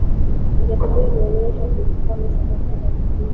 majaribio yalionyesha kulikuwa na sababu za muhimu